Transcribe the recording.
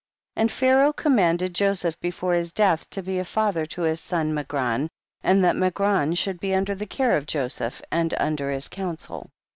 2. And Pharaoh commanded Jo seph before his death to be a father to his son Magron, and that Magron should be \mder the care of Joseph and under his counsel.